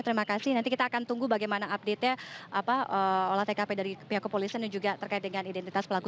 terima kasih nanti kita akan tunggu bagaimana update nya olah tkp dari pihak kepolisian dan juga terkait dengan identitas pelaku